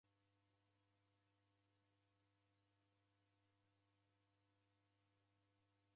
Alama ya w'ubaa ni kushamishwa